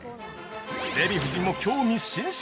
◆デヴィ夫人も興味津々！